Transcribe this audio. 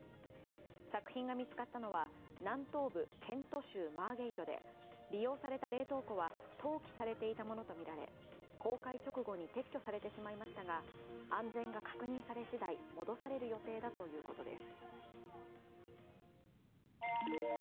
作品が見つかったのは南東部ケント州マーゲイトで、利用された冷凍庫は投棄されていたものとみられ、公開直後に撤去されてしまいましたが安全が確認されしだい、戻される予定だということです。